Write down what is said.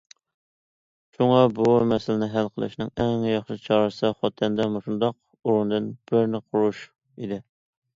شۇڭا، بۇ مەسىلىنى ھەل قىلىشنىڭ ئەڭ ياخشى چارىسى خوتەندە مۇشۇنداق ئورۇندىن بىرنى قۇرۇش ئىدى.